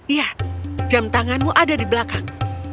iya jam tanganmu ada di belakang